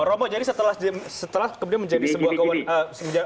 romo jadi setelah kemudian menjadi sebuah kewenangan